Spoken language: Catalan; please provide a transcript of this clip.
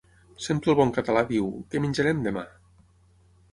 Sempre el bon català diu: Què menjarem, demà?